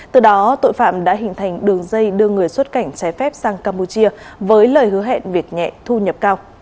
từ đó tội phạm đã hình thành đường dây đưa người xuất cảnh trái phép sang campuchia với lời hứa hẹn việc nhẹ thu nhập cao